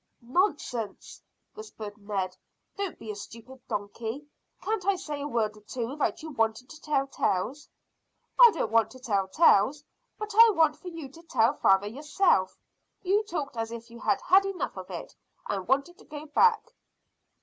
"Nonsense!" whispered Ned. "Don't be a stupid donkey. Can't I say a word or two without you wanting to tell tales?" "I don't want to tell tales; I want for you to tell father yourself. You talked as if you had had enough of it, and wanted to go back."